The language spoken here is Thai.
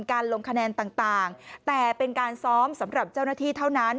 ลงคะแนนต่างแต่เป็นการซ้อมสำหรับเจ้าหน้าที่เท่านั้น